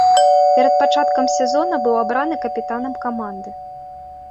Перад пачаткам сезона быў абраны капітанам каманды.